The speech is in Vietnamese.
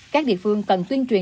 các địa phương cần tuyên truyền